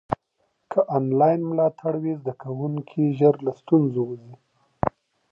که انلاین ملاتړ وي، زده کوونکي له ستونزو ژر وځي.